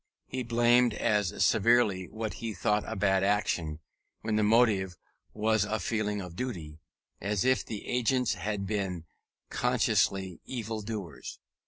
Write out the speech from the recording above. He blamed as severely what he thought a bad action, when the motive was a feeling of duty, as if the agents had been consciously evil doers.